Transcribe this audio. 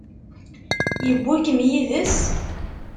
Yewwi-kem yid-s?